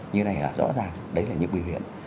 như này là rõ ràng đấy là những nguy hiểm